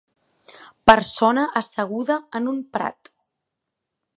Persona asseguda en un prat.